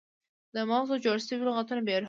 د مغزو جوړ شوي لغتونه بې روحه وي.